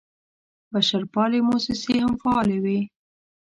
بشرپالې موسسې هم فعالې وې.